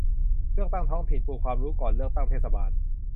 เลือกตั้งท้องถิ่น : ปูความรู้ก่อนเลือกตั้งเทศบาล